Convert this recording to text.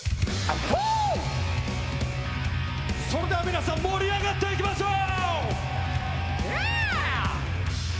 それでは皆さん、盛り上がっていきましょう！